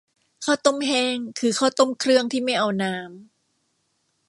ข้าวต้มแห้ง คือข้าวต้มเครื่องที่ไม่เอาน้ำ